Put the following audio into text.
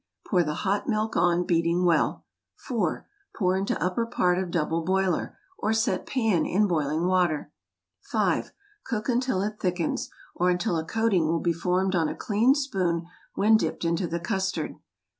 Pour the hot milk on, beating well. 4. Pour into upper part of double boiler, or set pan in boiling water. 5. Cook until it thickens, or until a coating will be formed on a clean spoon when dipped into the custard.